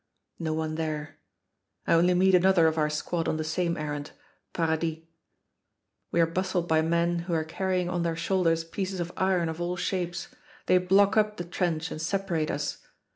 No one there. I only meet another of our squad on the same errand Paradis. We are bustled by men who are carrying on their shoulders pieces of iron of all shapes. They block up the trench and separate us.